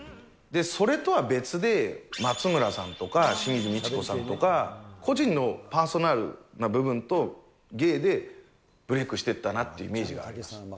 それとは別で、松村さんとか、清水ミチコさんとか、個人のパーソナルな部分と芸でブレークしていったなというイメージがあります。